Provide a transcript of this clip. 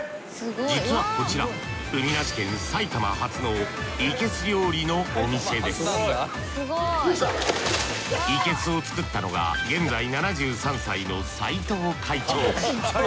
実はこちら海なし県埼玉初の生簀料理のお店です生簀を作ったのが現在７３歳の藤会長。